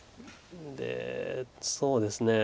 でそうですね